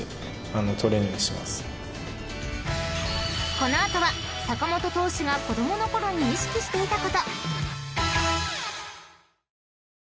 ［この後は坂本投手が子供の頃に意識していたこと！］